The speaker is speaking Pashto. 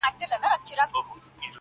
راځه چې بیا په ړنګو کارېزو کې ځالې وکړو